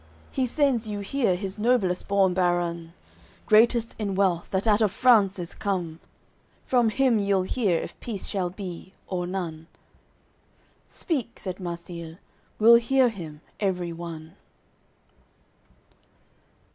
He sends you here his noblest born barun, Greatest in wealth, that out of France is come; From him you'll hear if peace shall be, or none." "Speak," said Marsile: "We'll hear him, every one."